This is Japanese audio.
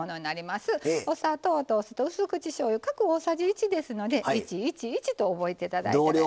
お砂糖とうす口しょうゆ各大さじ１ですので１１１と覚えていただいたら。